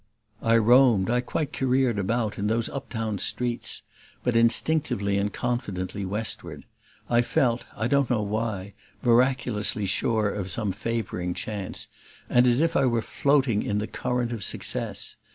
I roamed, I quite careered about, in those uptown streets, but instinctively and confidently westward. I felt, I don't know why, miraculously sure of some favoring chance and as if I were floating in the current of success.